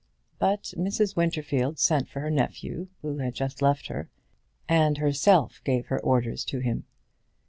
But Mrs. Winterfield sent for her nephew, who had just left her, and herself gave her orders to him.